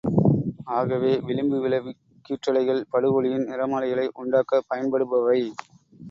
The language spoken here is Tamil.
ஆகவே, விளிம்பு விளைவுக் கீற்றலைகள் படுஒளியின் நிறமாலைகளை உண்டாக்கப் பயன்படுபவை.